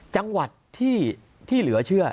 จังหวัดที่เหลือเชื่อ